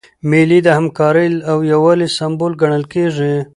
مېلې د همکارۍ او یووالي سمبول ګڼل کېږي.